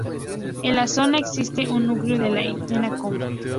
En la zona existe un núcleo de la etnia qom.